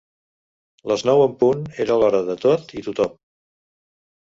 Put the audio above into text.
Les nou en punt era l'hora de tot i tothom.